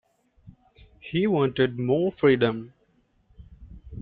He wanted more freedom.